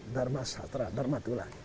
dharma satra dharma tulang